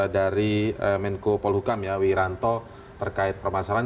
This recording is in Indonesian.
dari menko polhukam wih ranto terkait permasalahan